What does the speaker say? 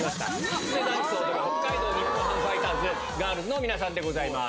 きつねダンスを踊る、北海道日本ハムファイターズガールズの皆さんでございます。